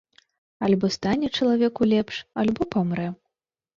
Альбо стане чалавеку лепш, альбо памрэ.